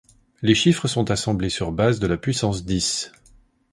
Les chiffres sont assemblés sur base de la puissance dix.